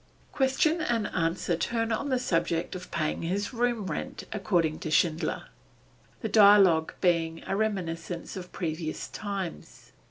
Question and answer turn on the subject of paying his room rent according to Schindler, the dialogue being a reminiscence of previous times.